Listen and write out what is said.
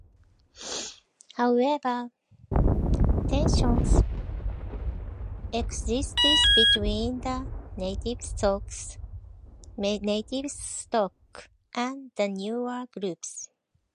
However, tensions existed between the "native stock" and the newer groups.